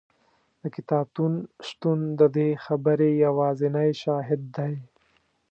د کتابتون شتون د دې خبرې یوازینی شاهد دی.